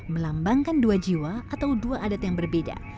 melambangkan dua jiwa atau dua adat yang berbeda